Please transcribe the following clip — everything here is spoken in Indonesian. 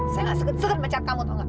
saya gak seget seget mecat kamu tau gak